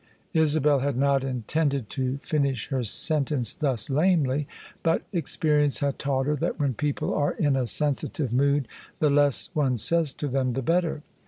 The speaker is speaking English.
Isabel had not intended to finish her sentence thus lamely: but experience had taught her that when people are in a sensitive mood the less one says to them the better.